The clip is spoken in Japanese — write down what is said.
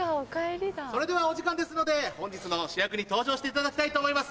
それではお時間ですので本日の主役に登場していただきたいと思います。